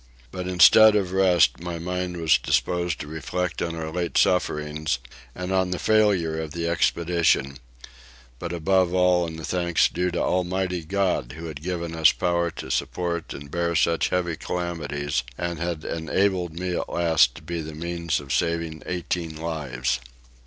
But instead of rest my mind was disposed to reflect on our late sufferings, and on the failure of the expedition; but above all on the thanks due to Almighty God who had given us power to support and bear such heavy calamities and had enabled me at last to be the means of saving eighteen lives.